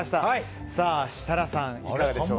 設楽さん、いかがでしょうか？